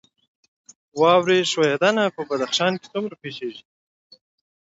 واورې ښویدنه په بدخشان کې څومره پیښیږي؟